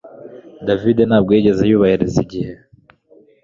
David ntabwo yigeze yubahiriza igihe